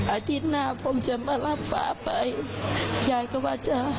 อาทิตย์หน้าผมจะมารับฟ้าไปยายก็ว่าจะ